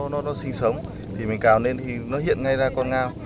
nếu mà con ngao nó sinh sống thì mình cào lên thì nó hiện ngay ra con ngao